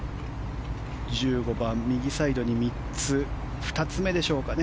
１５番、右サイドに３つ２つ目でしょうかね。